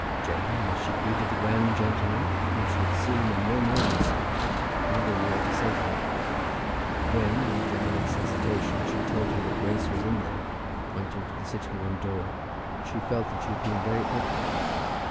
Jane, as she greeted the grand gentleman, whom she had seen and no more than seen, hardly knew what to say to him. When, after a minute's hesitation, she told him that Grace was in there, pointing to the sitting room door, she felt that she had been very awkward.